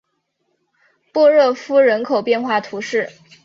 波热夫人口变化图示